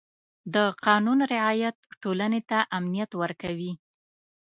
د قانون رعایت ټولنې ته امنیت ورکوي.